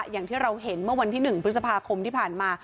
อย่างที่เราเห็นเมื่อวันที่๑พฤษภาคมที่ผ่านมา